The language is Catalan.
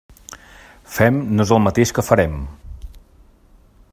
Fem, no és el mateix que farem.